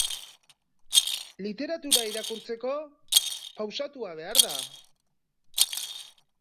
Literatura irakurtzeko, pausatua behar da.